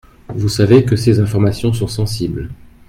Vous savez que ces informations sont sensibles.